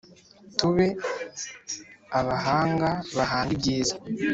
tube abahanga bahanga ibyiza